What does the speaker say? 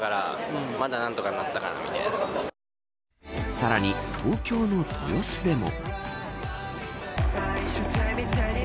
さらに東京の豊洲でも。